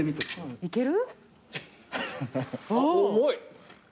いける？